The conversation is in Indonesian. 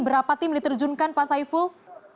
berapa tim diterjunkan pak saiful